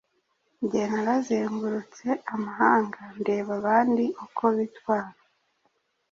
Nge narazengurutse amahanga, ndeba abandi uko bitwara,